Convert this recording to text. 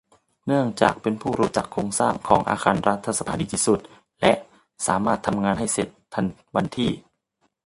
เนื่องจากเป็นผู้รู้จักโครงสร้างของอาคารรัฐสภาดีที่สุด และ สามารถทำงานให้เสร็จทันวันที่